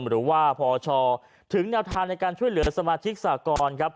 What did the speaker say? หรือว่าพชถึงแนวทางในการช่วยเหลือสมาชิกสากรครับ